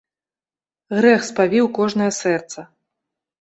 Грэх спавіў кожнае сэрца.